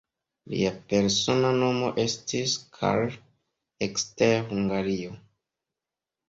Lia persona nomo estis "Carl" ekster Hungario.